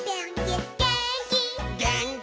「げーんき」